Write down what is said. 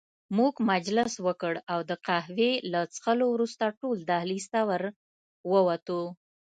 موږ مجلس وکړ او د قهوې له څښلو وروسته ټول دهلېز ته ور ووتو.